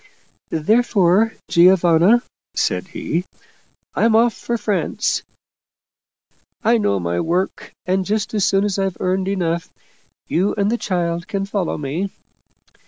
Therefore, Giovanna/ said he, ' I'm off for France. I know my work, and just as soon as I've earned enough, you and the child can follow me.'